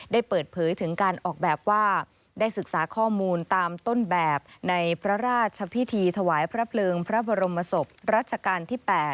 ได้เปิดเผยถึงการออกแบบว่าได้ศึกษาข้อมูลตามต้นแบบในพระราชพิธีถวายพระเพลิงพระบรมศพรัชกาลที่๘